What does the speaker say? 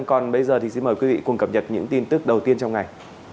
còn bây giờ thì xin mời quý vị cùng cập nhật những tin tức đầu tiên trong ngày